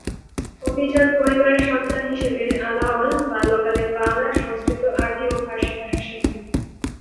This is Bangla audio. অভিজাত পরিবারের সন্তান হিসেবে আলাওল বাল্যকালে বাংলা, সংস্কৃত, আরবি ও ফারসি ভাষা শেখেন।